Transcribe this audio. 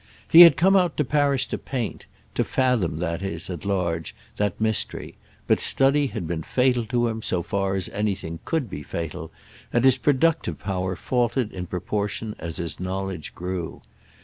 He had come out to Paris to paint—to fathom, that is, at large, that mystery; but study had been fatal to him so far as anything could be fatal, and his productive power faltered in proportion as his knowledge grew.